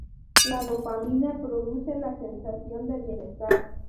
La dopamina produce la sensación de bienestar.